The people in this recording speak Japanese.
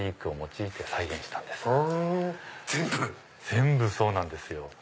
全部そうなんですよ。